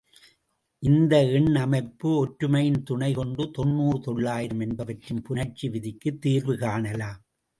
இந்த எண் அமைப்பு ஒற்றுமையின் துணை கொண்டு தொண்ணூறு, தொள்ளாயிரம் என்பவற்றின் புணர்ச்சி விதிக்குத் தீர்வு காணலாம்.